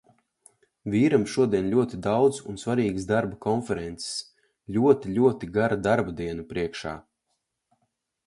Vīram šodien ļoti daudz un svarīgas darba konferences, ļoti, ļoti gara darbadiena priekšā.